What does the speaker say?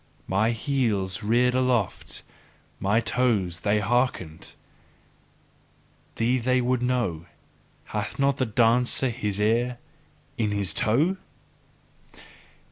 My heels reared aloft, my toes they hearkened, thee they would know: hath not the dancer his ear in his toe!